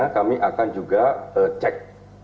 kami akan juga cek